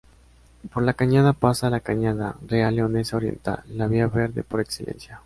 Por La Cañada pasa la Cañada Real leonesa oriental, la vía verde por excelencia.